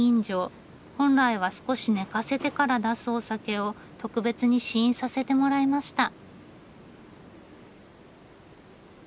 本来は少し寝かせてから出すお酒を特別に試飲させてもらいました。